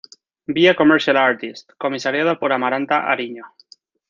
Be a commercial artist" comisariada por Amaranta Ariño.